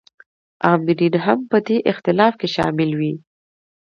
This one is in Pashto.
آمرین هم په دې اختلاف کې شامل وي.